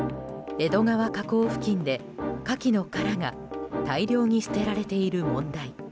江戸川河口付近でカキの殻が大量に捨てられている問題。